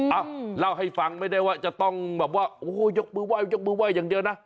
เอ้าเล่าให้ฟังไม่ได้ว่าจะต้องแบบว่าโอ้โหยกมือไหว้ยกมือไห้อย่างเดียวนะ